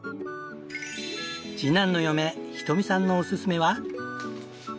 次男の嫁瞳さんのおすすめは？